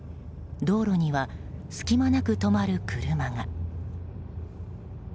道路には隙間なく止まる車が。